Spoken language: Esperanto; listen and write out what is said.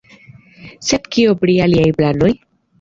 Sed kio pri aliaj planoj?